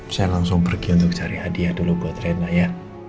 saya langsung pergi untuk cari hadiah dulu buat rena ya